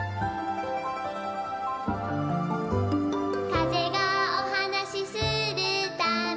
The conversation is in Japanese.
「かぜがおはなしするたび」